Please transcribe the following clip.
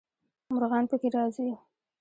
مرغان پکې راځي.